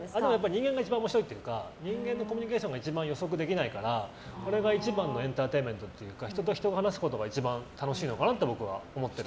人間が一番面白いというか人間のコミュニケーションが一番予測できないからこれが一番のエンターテインメントというか一番楽しいのかなって僕は思ってるので。